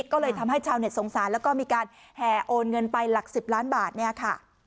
ก็เลยทำให้ชาวเน็ตสงสารแล้วก็มีการแห่โอนเงินไปหลัก๑๐ล้านบาทเนี่ยค่ะ